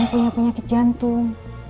nanti kalau kayak begini yang ada akan berubah